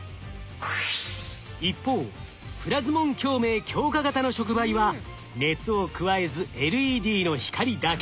一方プラズモン共鳴強化型の触媒は熱を加えずＬＥＤの光だけ。